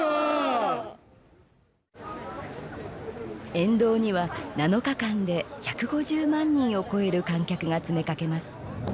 沿道には７日間で１５０万人を超える観客が詰めかけます。